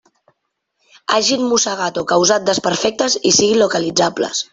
Hagin mossegat o causat desperfectes i siguin localitzables.